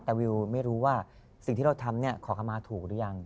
แต่วิวไม่รู้ว่าสิ่งที่เราทำขอเข้ามาถูกหรือยัง